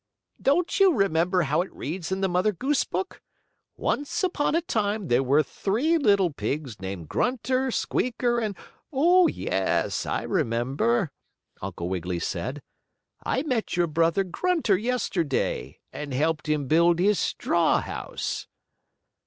"Don't you remember how it reads in the Mother Goose book? 'Once upon a time there were three little pigs, named Grunter, Squeaker and '" "Oh, yes, I remember!" Uncle Wiggily said. "I met your brother Grunter yesterday, and helped him build his straw house."